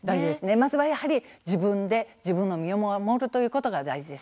まずは、やはり自分で自分の身を守るということが大事です。